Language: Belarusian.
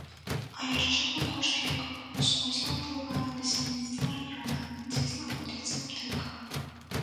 А яшчэ на кошт лекаў ускосна ўплывае насельніцтва раёна, дзе знаходзіцца аптэка.